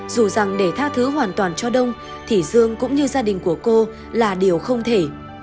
dù rằng để tha thứ hoàn toàn cho đông thì dương cũng như gia đình của cô là điều không thể